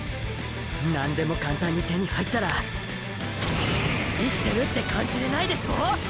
何でもカンタンに手に入ったら生きてるって感じれないでしょ？